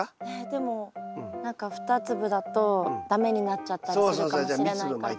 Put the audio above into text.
でも何か２粒だと駄目になっちゃったりするかもしれないから。